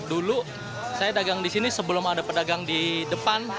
dulu saya dagang di sini sebelum ada pedagang di depan